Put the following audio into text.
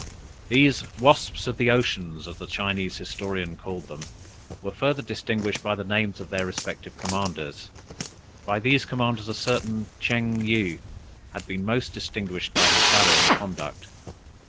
"These wasps of the Ocean," as a Chinese historian calls them, were further distinguished by the names of their respective commanders: by these commanders a certain Ching yih had been the most distinguished by his valor and conduct.